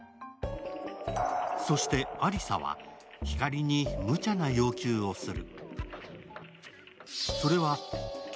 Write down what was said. そして亜梨沙は、ひかりにむちゃな要求をする。